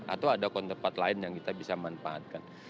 atau ada kontepat lain yang kita bisa manfaatkan